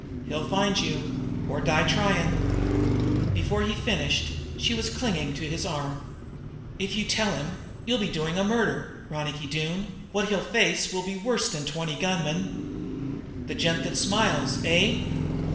He'll find you, or die trying." Before he finished she was clinging to his arm. "If you tell him, you'll be doing a murder, Ronicky Doone. What he'll face will be worse than twenty gunmen." "The gent that smiles, eh?"